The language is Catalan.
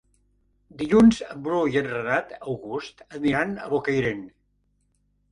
Dilluns en Bru i en Renat August aniran a Bocairent.